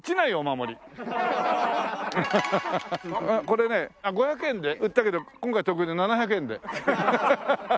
これね５００円で売ってたけど今回特別に７００円で。